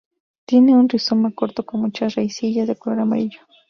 Tiene un rizoma corto con muchas raicillas de color amarillo.